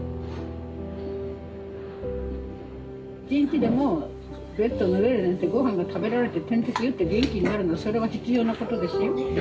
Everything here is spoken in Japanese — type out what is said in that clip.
１日でもベッドの上で寝てごはんが食べられて点滴打って元気になるのそれは必要なことですよ。